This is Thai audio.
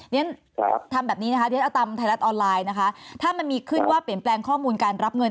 เรียนทำแบบนี้นะคะเดี๋ยวเอาตามไทยรัฐออนไลน์นะคะถ้ามันมีขึ้นว่าเปลี่ยนแปลงข้อมูลการรับเงิน